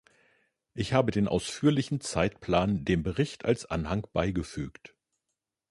Ich habe den ausführlichen Zeitplan dem Bericht als Anhang beigefügt.